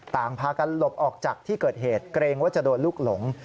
พากันหลบออกจากที่เกิดเหตุเกรงว่าจะโดนลูกหลง